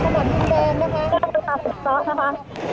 สำหรับจินแดงนะคะสอบสอบนะคะ